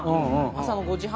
朝の５時半で。